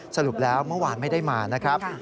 สรุปแล้วเมื่อวานไม่ได้มานะครับ